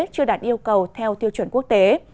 chưa đạt yêu cầu theo tiêu chuẩn quốc tế